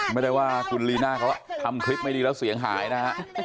ไม่ได้ว่าคุณลีน่าเขาทำคลิปไม่ดีแล้วเสียงหายนะฮะ